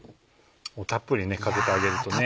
たっぷりかけてあげるとね。